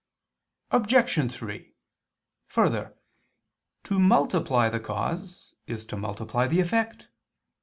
Obj. 3: Further, to multiply the cause is to multiply the effect.